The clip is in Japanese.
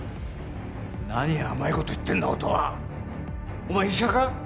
何甘いこと言ってんだ音羽お前医者か？